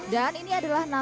dan ini adalah nabilah